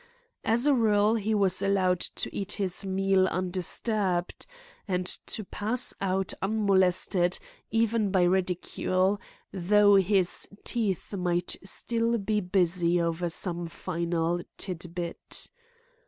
As a rule he was allowed to eat his meal undisturbed, and to pass out unmolested even by ridicule, though his teeth might still be busy over some final tidbit.